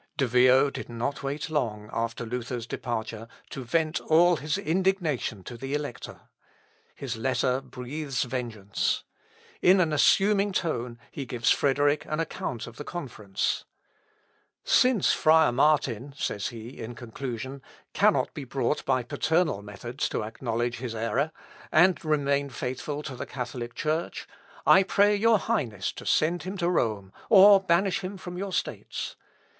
De Vio did not wait long, after Luther's departure, to vent all his indignation to the Elector. His letter breathes vengeance. In an assuming tone he gives Frederick an account of the conference. "Since friar Martin," says he, in conclusion, "cannot be brought by paternal methods to acknowledge his error, and remain faithful to the Catholic Church, I pray your Highness to send him to Rome, or banish him from your States.